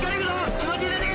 気持ち入れていけ！